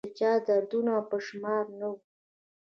د چا دردونه په شمار نه وه